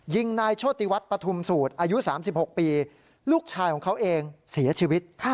ยิงนายโชติวัฒน์ปฐุมสูตรอายุ๓๖ปีลูกชายของเขาเองเสียชีวิต